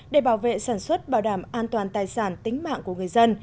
để bảo vệ sản xuất bảo đảm an toàn tài sản tính mạng của người dân